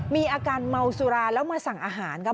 มีอาการเมาสุราแล้วมาสั่งอาหารครับ